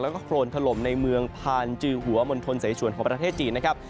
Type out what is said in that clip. แล้วก็โครนถล่มในเมืองพานจือหัวมณฑลเสชวนของประเทศจีนนะครับ